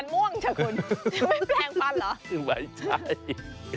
ไม่ใช่